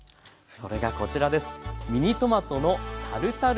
それがこちらです。